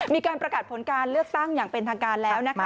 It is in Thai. มีการประกาศผลการเลือกตั้งอย่างเป็นทางการแล้วนะคะ